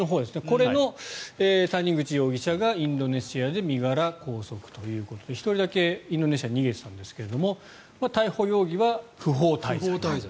これの谷口容疑者がインドネシアで身柄を拘束ということで１人だけインドネシアに逃げていたんですけど逮捕容疑は不法滞在と。